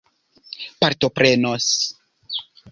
partoprenos